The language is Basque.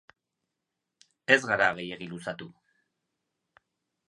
Ez gara gehiegi luzatu.